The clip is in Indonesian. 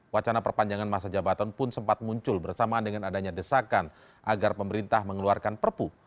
wacana perpanjangan masa jabatan pun sempat muncul bersamaan dengan adanya desakan agar pemerintah mengeluarkan perpu